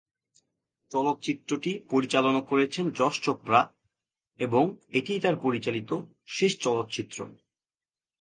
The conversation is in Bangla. চলচ্চিত্রটি পরিচালনা করেছেন যশ চোপড়া, এবং এটিই তার পরিচালিত শেষ চলচ্চিত্র।